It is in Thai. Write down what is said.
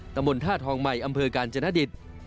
ตะบลท่าทองใหม่อำเภอกาลจรณดิษฐ์